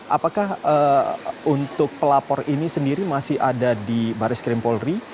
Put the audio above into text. apakah untuk pelapor ini sendiri masih ada di baris krim polri